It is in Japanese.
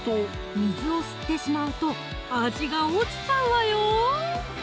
水を吸ってしまうと味が落ちちゃうわよ